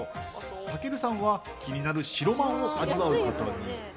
たけるさんは気になるしろまんを味わうことに。